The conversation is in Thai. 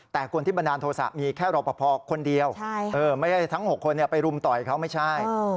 แต่คนที่บันดาลโทษะมีแค่รอปภคนเดียวไม่ใช่ทั้ง๖คนไปรุมต่อยเขาไม่ใช่